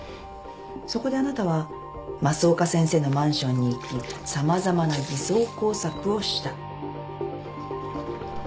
そこであなたは増岡先生のマンションに行き様々な偽装工作をした。